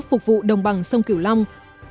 phục vụ đồng bằng sông kiểu long